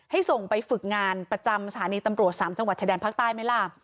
ส่งไปฝึกงานประจำสถานีตำรวจ๓จังหวัดชายแดนภาคใต้ไหมล่ะ